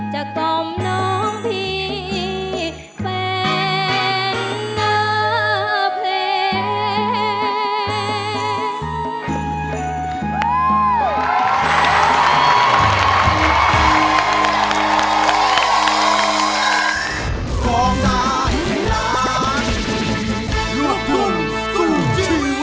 จะกล่อมน้องพี่แฟนนะเพลง